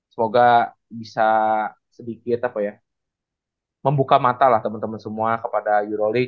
semoga bisa sedikit apa ya membuka mata lah teman teman semua kepada euroleague